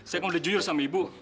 saya kok udah jujur sama ibu